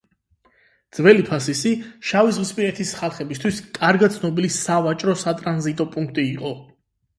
ძველი ფასისი შავიზვისპირეთის ხალხებისათვის კარგად ცნობილი სავაჭრო-სატრანზიტო პუნქტი იყო